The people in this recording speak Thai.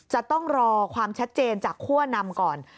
จะต้องรอความชัดเจนจากคั่วนำก่อน